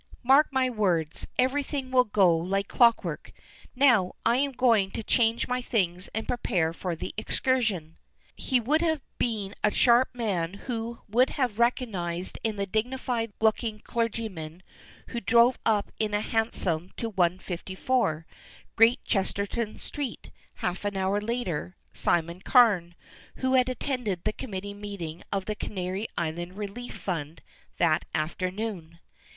Mark my words, everything will go like clockwork. Now I am going to change my things and prepare for the excursion." He would have been a sharp man who would have recognized in the dignified looking clergyman who drove up in a hansom to 154, Great Chesterton Street, half an hour later, Simon Carne, who had attended the committee meeting of the Canary Island Relief Fund that afternoon.